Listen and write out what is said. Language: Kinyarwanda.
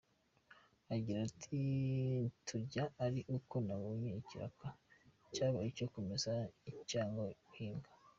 Agira ati “Turya ari uko nabonye ikiraka, cyaba icyo kumesa cyangwa guhinga.